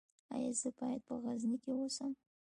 ایا زه باید په غزني کې اوسم؟